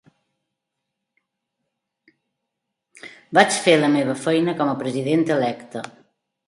Vaig fer la meva feina com a president electe.